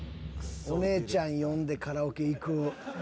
「おネエちゃん呼んでカラオケ行こう」